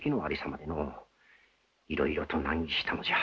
いろいろと難儀したのじゃ。